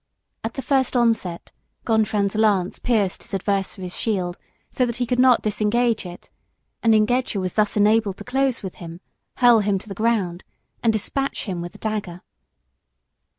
At the first onset Gontran's lance pierced his adversary's shield so that he could not disengage it, and Ingeger was thus enabled to close with him, hurl him to the ground, and despatch him with a dagger.